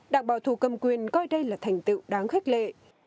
đảng bảo thủ cầm quyền coi đây là thành tựu đáng khích lệ